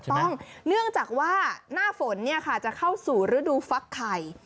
เนื่องจากว่าหน้าฝนจะเข้าสู่ฤดูฟักไข่